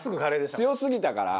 強すぎたから。